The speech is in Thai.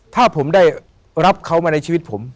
ถ้าผมได้รับเขามาในชีวิตผม